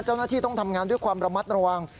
เจ้าหน้าที่ต้องทำงานด้วยความระมัดระวัง